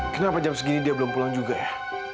kenapa jam segini dia belum pulang juga ya